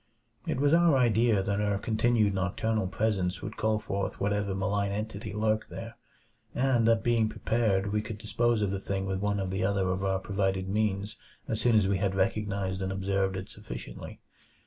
It was our idea that our continued nocturnal presence would call forth whatever malign entity lurked there; and that being prepared, we could dispose of the thing with one or the other of our provided means as soon as we had recognized and observed it sufficiently.